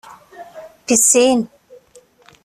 Piscine